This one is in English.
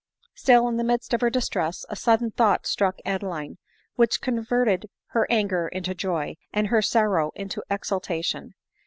' Still, in the midst of her distress, a sudden thought struck Adeline, which converted her anger into joy, and her sorrow into exultation.